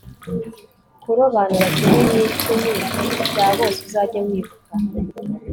kurobanura kimwe mu icumi cya byose uzajye wibuka